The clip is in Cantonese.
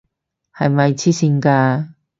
係咪癡線㗎？